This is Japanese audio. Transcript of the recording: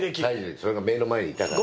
それが目の前にいたから。